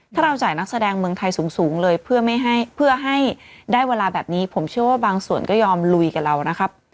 ถ้าเราจ่ายนักแสดงเมืองไทยสูงเลยเพื่อไม่ให้เพื่อให้ได้เวลาแบบนี้ผมเชื่อว่าบางส่วนก็ยอมลุยกับเรานะครับ